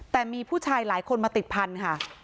แต่มีผู้ชายหลายคนมาติดพันธุ์ค่ะ